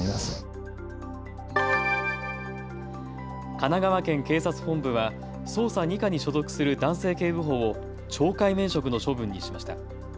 神奈川県警察本部は捜査２課に所属する男性警部補を懲戒免職の処分にしました。